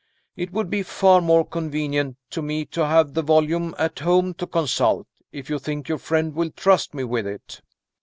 It would be far more convenient to me to have the volume at home to consult, if you think your friend will trust me with it."